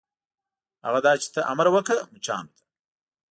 هغه دا چې ته امر وکړه مچانو ته.